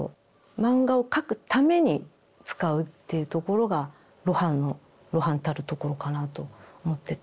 漫画を描くために使うというところが露伴の露伴たるところかなと思ってて。